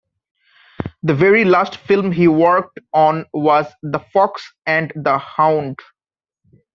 The very last film he worked on was "The Fox and the Hound".